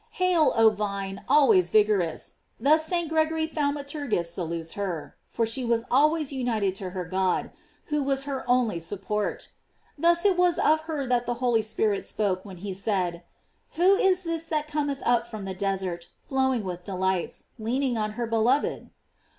Hail, oh vine, always vigorous! thus St. Gregory * IcclL xxiy. 18. t EcclL xxiv. 83. 389 GLORIES OF MARY. Thaumaturgus salutes her;* for she was always united to her God, who was her only support. Thus it was of her that the Holy Spirit spoke when he said : Who is this that cometh up from the desert flowing with delights, leaning on her be loved?!